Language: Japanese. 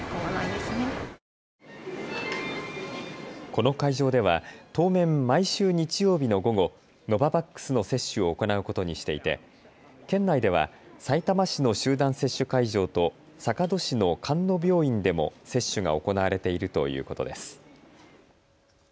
この会場では当面、毎週日曜日の午後、ノババックスの接種を行うことにしていて県内ではさいたま市の集団接種会場と坂戸市の菅野病院でも接種が行われているということです。